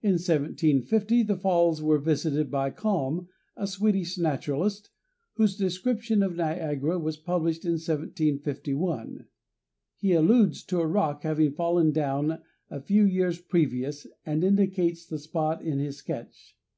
In 1750 the falls were visited by Kalm, a Swedish naturalist, whose description of Niagara was published in 1751. He alludes to a rock having fallen down a few years previous and indicates the spot in his sketch.